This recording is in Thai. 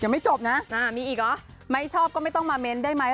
ไม่ชอบก็ไม่ต้องมาเม้นได้ไหม